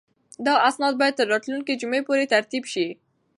دا اسناد باید تر راتلونکې جمعې پورې ترتیب شي.